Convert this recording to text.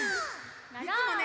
いつもね